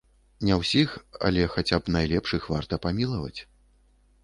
Не ўсіх, але хаця б найлепшых варта памілаваць.